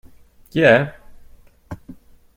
Chi è?